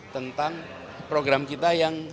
tentang program kita yang